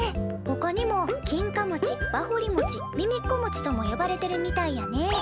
ほかにも「きんかもち」「ばほりもち」「みみっこもち」とも呼ばれてるみたいやね。